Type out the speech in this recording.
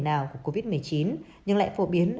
nào của covid một mươi chín nhưng lại phổ biến